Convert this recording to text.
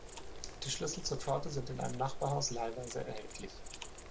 Die Schlüssel zur Pforte sind in einem Nachbarhaus leihweise erhältlich.